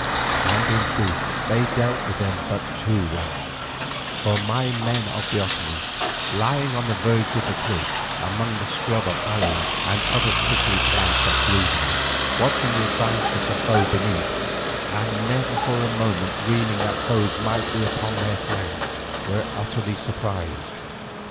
And in truth they dealt with them but too well, for my men of the Otomie, lying on the verge of the cliff among the scrub of aloes and other prickly plants that grew there, watching the advance of the foe beneath, and never for one moment dreaming that foes might be upon their flank, were utterly surprised.